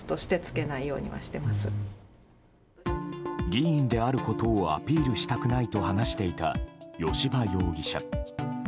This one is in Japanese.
議員であることをアピールしたくないと話していた吉羽容疑者。